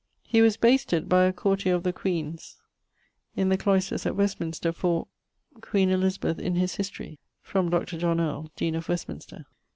He was basted by a courtier of the queene's in the cloysters at Westminster for ... queen Elizabeth in his history from Dr. John Earle, dean of Westminster.